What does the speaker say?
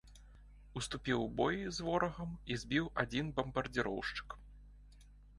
Уступіў у бой з ворагам і збіў адзін бамбардзіроўшчык.